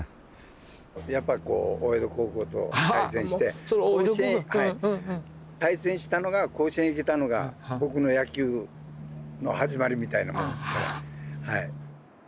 やっぱりこう大淀高校と対戦して対戦したのが甲子園行けたのが僕の野球の始まりみたいなもんですから。